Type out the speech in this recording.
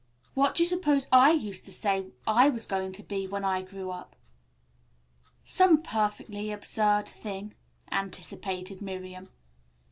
What do you suppose I used to say I was going to be when I grew up?" "Some perfectly absurd thing," anticipated Miriam.